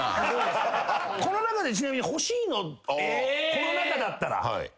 この中だったら。